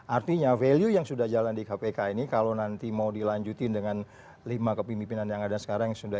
artinya value yang sudah jalan di kpk ini kalau nanti mau dilanjutin dengan lima kepimpinan yang ada sekarang